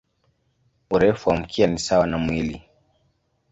Urefu wa mkia ni sawa na mwili.